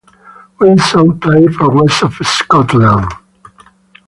Wilson played for West of Scotland.